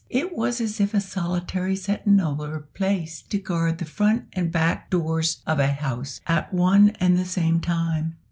It was as if a solitary sentinel were placed to guard the front and back doors of a house at one and the same time.